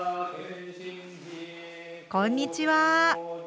こんにちは。